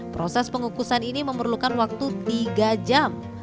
proses pengukusan ini memerlukan waktu tiga jam